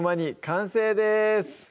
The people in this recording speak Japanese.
完成です